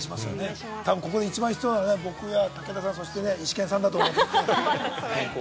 ここで一番必要なのは、僕と武田さんとイシケンさんだと思う。